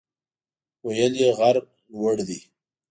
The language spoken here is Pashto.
ویل یې غر لوړ دی.